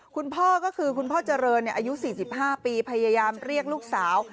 คุณพ่อก็คือคุณพ่อเจริญอายุ๔๕ปีพยายามเรียกลูกสาว